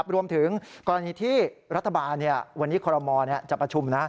รวมถึงกรณีที่รัฐบาลวันนี้คอรมอลจะประชุม